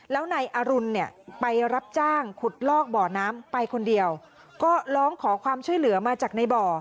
แล้วนายอรุณเนี่ยไปรับจ้างขุดลอกบ่อน้ำไปคนเดียวก็ร้องขอความช่วยเหลือมาจากในบ่อ